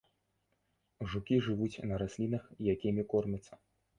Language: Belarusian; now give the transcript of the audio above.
Жукі жывуць на раслінах, якімі кормяцца.